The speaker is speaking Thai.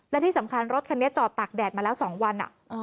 และที่สำคัญรถคันนี้จอดตากแดดมาแล้ว๒วัน